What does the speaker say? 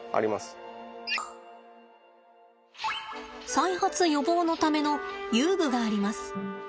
再発予防のための遊具があります。